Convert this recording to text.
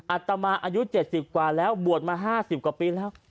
อัตมาอายุ๗๐กว่าแล้วบวชมา๕๐กว่าปีแล้ว